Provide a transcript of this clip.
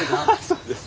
そうです。